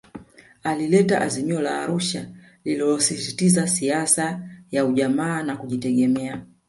Alileta Azimio la Arusha lililosisitiza siasa ya Ujamaa na Kujitegemea